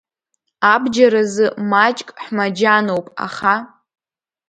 Абџьар азы маҷк ҳмаџьаноуп, аха…